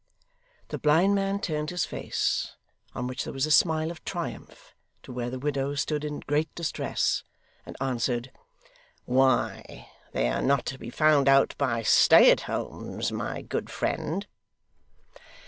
The blind man turned his face, on which there was a smile of triumph, to where the widow stood in great distress; and answered, 'Why, they are not to be found out by stay at homes, my good friend.